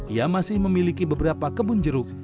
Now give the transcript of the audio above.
ia masih memiliki beberapa kebun jeruk